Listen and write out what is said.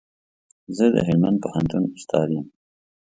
زه د هلمند پوهنتون استاد يم